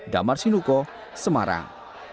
damar sinuko semarang